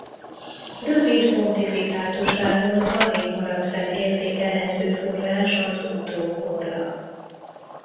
Rövid pontifikátusáról alig maradt fenn értékelhető forrás az utókorra.